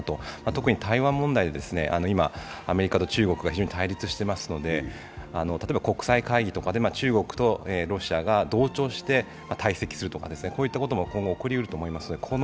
特に台湾問題で今、アメリカと中国が対立してますので例えば国際会議とかで、中国とロシアが同調して退席するとかいったこともと今後、起こりうると思います。